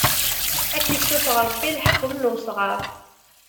Ad k-issufeɣ Ṛebbi leḥkem n usɣaṛ!